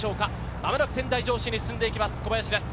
間もなく仙台城址に進んでいきます。